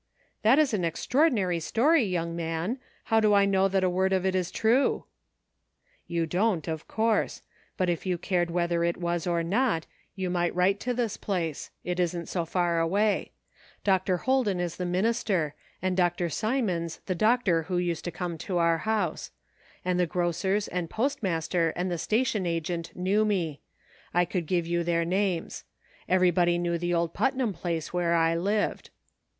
" That is an extraordinary story, young man. How do I know that a word of it is true }"" You don't, of course ; but if you cared whether it was or not, you might write to this place ; it isn't so far away. Dr. Ilolden is the minister, and Dr. Symonds the doctor who used to come to HAPPENINGS. 193 our house ; and the grocers and postmaster and the station agent knew me; I could give you their names. Everybody knew the old Putnam place where I lived."